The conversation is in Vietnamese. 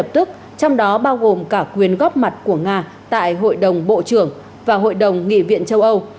lập tức trong đó bao gồm cả quyền góp mặt của nga tại hội đồng bộ trưởng và hội đồng nghị viện châu âu